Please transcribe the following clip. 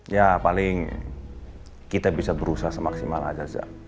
ya paling kita bisa berusaha semaksimal aja